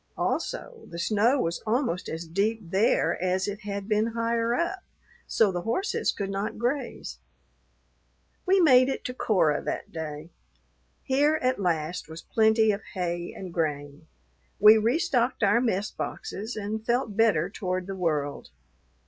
Also, the snow was almost as deep there as it had been higher up, so the horses could not graze. We made it to Cora that day. Here at last was plenty of hay and grain; we restocked our mess boxes and felt better toward the world.